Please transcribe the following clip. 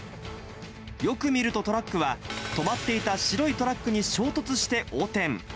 よく見るとトラックは、止まっていた白いトラックに衝突して横転。